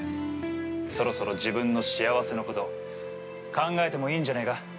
そろそろ自分の幸せのこと、考えてもいいんじゃないか？